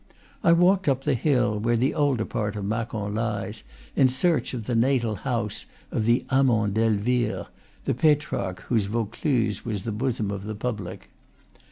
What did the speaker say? I walked up the hill where the older part of Macon lies, in search of the natal house of the amant d'Elvire, the Petrarch whose Vaucluse was the bosom of the public.